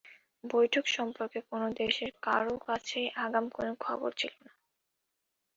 বৈঠক সম্পর্কে কোনো দেশের কারও কাছেই আগাম কোনো খবর ছিল না।